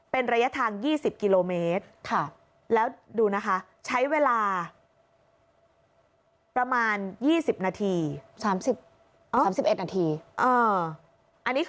เป็นระยะทาง๒๐กิโลเมตรแล้วดูนะคะใช้เวลาประมาณ๒๐นาที๓๑นาที